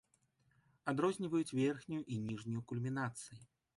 Адрозніваюць верхнюю і ніжнюю кульмінацыі.